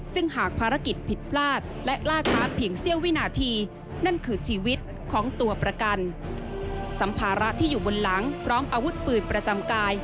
สัมภาระที่อยู่บนหลังพร้อมอาวุธปืนประจำกาย